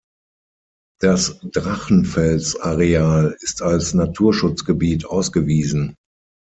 Das Drachenfels-Areal ist als Naturschutzgebiet ausgewiesen.